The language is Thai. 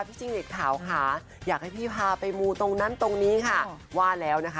พี่จิ้งหลีดขาวค่ะอยากให้พี่พาไปมูลตรงนั้นตรงนี้ค่ะ